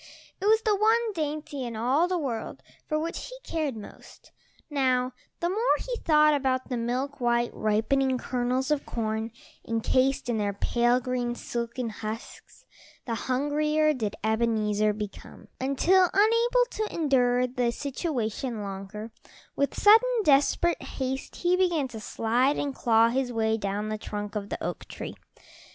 It was the one dainty in all the world for which he cared most. Now the more he thought about the milk white, ripening kernels of corn, encased in their pale green, silken husks, the hungrier did Ebenezer become, until, unable to endure the situation longer, with sudden, desperate haste he began to slide and claw his way down the trunk of the oak tree.